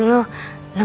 aku nanya kak dan rena